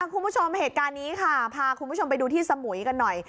คุณผู้ชมเหตุการณ์นี้ค่ะพาคุณผู้ชมไปดูที่สมุยกันหน่อย